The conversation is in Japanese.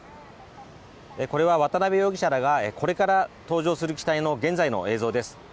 これは渡辺容疑者らがこれから搭乗する機体の現在の映像です。